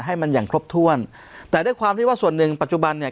ให้มันอย่างครบถ้วนแต่ด้วยความที่ว่าส่วนหนึ่งปัจจุบันเนี่ย